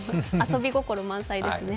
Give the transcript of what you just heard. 遊び心満載ですね。